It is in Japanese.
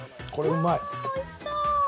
わあおいしそう。